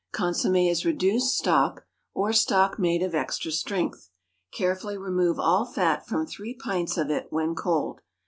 _ Consommé is reduced stock, or stock made of extra strength. Carefully remove all fat from three pints of it when cold.